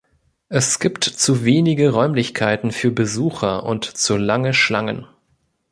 Es gibt zu wenige Räumlichkeiten für Besucher und zu lange Schlangen.